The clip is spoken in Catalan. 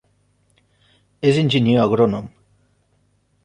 És enginyer agrònom.